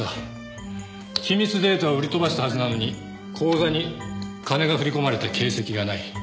機密データを売り飛ばしたはずなのに口座に金が振り込まれた形跡がない。